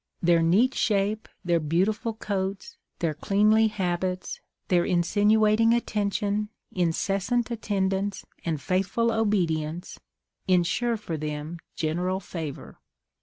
Their neat shape, their beautiful coats, their cleanly habits, their insinuating attention, incessant attendance, and faithful obedience, insure for them general favour.